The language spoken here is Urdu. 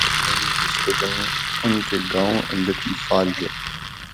افسوس کیلئے میں بھی دوسرے دن ان کے گاؤں لطیفال گیا۔